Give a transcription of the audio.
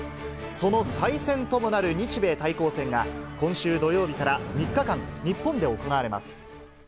その再戦ともなる日米対抗戦が、今週土曜日から３日間、日本で行われます。